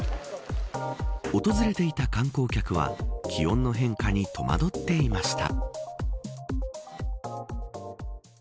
訪れていた観光客は気温の変化に戸惑っていました。